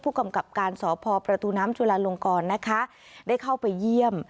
กำกับการสพประตูน้ำจุลาลงกรนะคะได้เข้าไปเยี่ยม